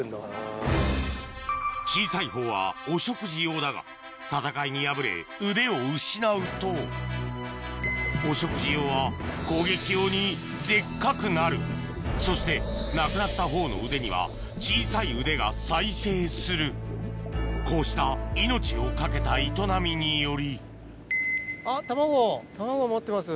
小さいほうはお食事用だが戦いに敗れ腕を失うとお食事用は攻撃用にデッカくなるそしてなくなったほうの腕には小さい腕が再生するこうした命を懸けた営みにより卵持ってます。